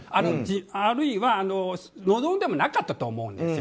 あるいは望んでもなかったと思うんですよ。